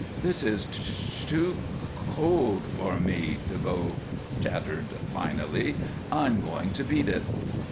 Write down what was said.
"This is too c cold for me," DeVoe chattered, finally. "I'm going to beat it."